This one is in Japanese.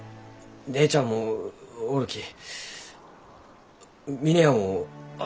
姉ちゃんもおるき峰屋もある。